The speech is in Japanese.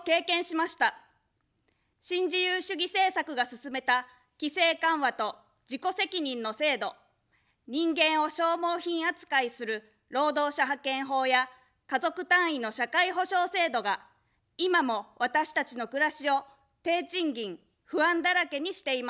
新自由主義政策が進めた規制緩和と自己責任の制度、人間を消耗品扱いする労働者派遣法や家族単位の社会保障制度が今も私たちの暮らしを低賃金、不安だらけにしています。